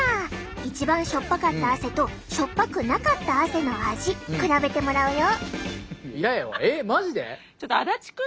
一番塩っぱかった汗と塩っぱくなかった汗の味比べてもらうよ！